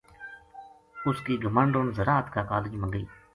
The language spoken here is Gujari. اس کی گماہنڈن زراعت کا کالج ما گئی